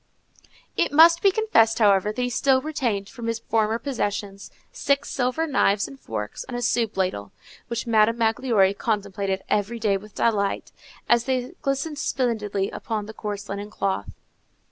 _ It must be confessed, however, that he still retained from his former possessions six silver knives and forks and a soup ladle, which Madame Magloire contemplated every day with delight, as they glistened splendidly upon the coarse linen cloth.